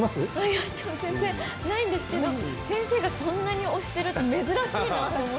いや全然ないんですけど先生がそんなに推してるって珍しいなと思って。